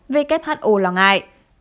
who lo ngại